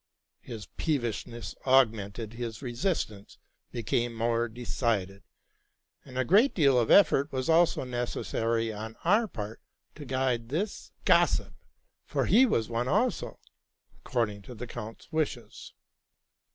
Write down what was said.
His peevishness aug mented, his resistance became more decided, and a great deal of effort was necessary on our part to guide this '' gos sip;'' for he was one also, according to the count's wishes.